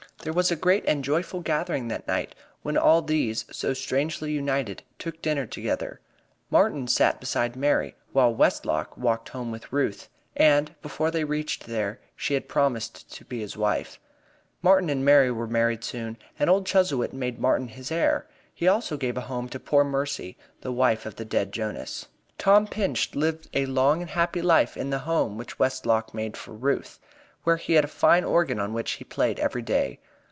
There was a great and joyful gathering that night, when all these, so strangely united, took dinner together. Martin sat beside Mary, while Westlock walked home with Ruth, and before they reached there she had promised to be his wife. Martin and Mary were married soon, and old Chuzzlewit made Martin his heir. He also gave a home to poor Mercy, the wife of the dead Jonas. Tom Pinch lived a long and happy life in the home which Westlock made for Ruth, where he had a fine organ on which he played every day.